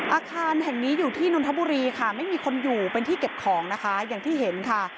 อาคารแห่งนี้อยู่ที่นนทบุรีค่ะไม่มีคนอยู่เป็นที่เก็บของนะคะอย่างที่เห็นค่ะ